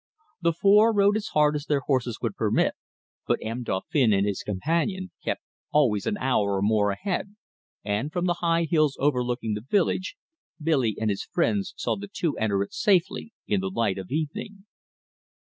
The four rode as hard as their horses would permit, but M. Dauphin and his companion kept always an hour or more ahead, and, from the high hills overlooking the village, Billy and his friends saw the two enter it safely in the light of evening.